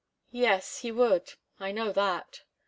"Yes he would. I know that."